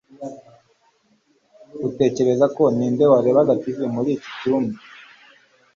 Utekereza ko ninde warebaga TV muri iki cyumba?